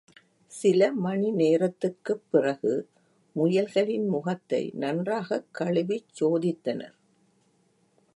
சில மணி நேரத்துக்குப் பிறகு, முயல்களின் முகத்தை நன்றாகக் கழுவிச் சோதித்தனர்.